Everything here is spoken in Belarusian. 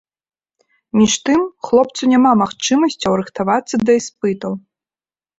Між тым, хлопцу няма магчымасцяў рыхтавацца да іспытаў.